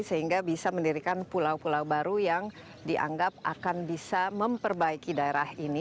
sehingga bisa mendirikan pulau pulau baru yang dianggap akan bisa memperbaiki daerah ini